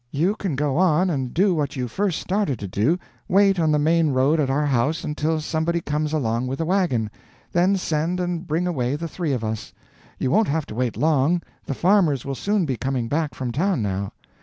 You can go on and do what you first started to do wait on the main road at our house until somebody comes along with a wagon; then send and bring away the three of us. You won't have to wait long; the farmers will soon be coming back from town, now.